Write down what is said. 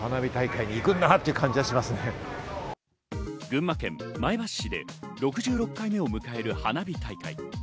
群馬県前橋市で６６回目を迎える花火大会。